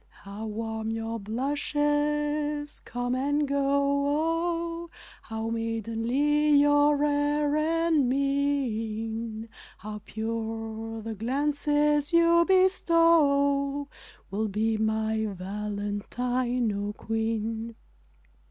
How warm your blushes come and go! How maidenly your air and mien! How pure the glances you bestow Wilt be my Valentine, O Queen?